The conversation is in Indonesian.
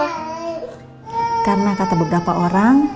sebenarnya kenapa karena kata beberapa orang